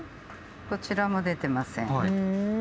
こちらも出てません。